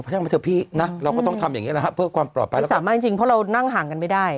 พระท่านพระเจ้าพี่เราก็ต้องทำอย่างนี้นะสามารถจริงเพราะเรานั่งห่างกันไม่ได้